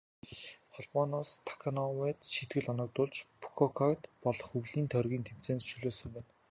Холбооноос Таканоивад шийтгэл оногдуулж, Фүкүокад болох өвлийн тойргийн тэмцээнээс чөлөөлсөн байна.